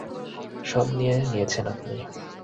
সব নিয়ে নিয়েছেন আপনি!